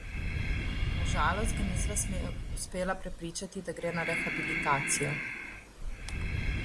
Na žalost, ga nisva uspela prepričati, da gre na rehabilitacijo.